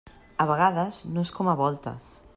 A vegades no és com a voltes.